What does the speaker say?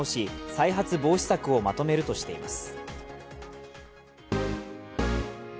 再発防止策をまとめるとしています。